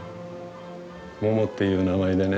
モモっていう名前でね